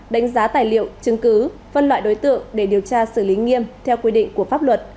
đánh giá tài liệu chứng cứ phân loại đối tượng để điều tra xử lý nghiêm theo quy định của pháp luật